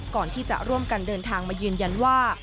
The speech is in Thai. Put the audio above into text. ก่อนที่จะร่วมกันเดินทางมายืนยันว่า